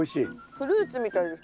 フルーツみたいです。